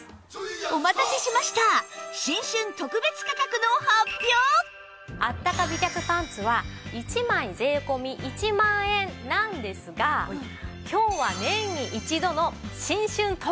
お待たせしましたあったか美脚パンツは１枚税込１万円なんですが今日は年に一度の新春特別セールです。